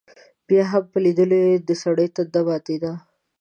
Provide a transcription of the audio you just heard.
بیا هم په لیدلو یې دسړي تنده ماتېده.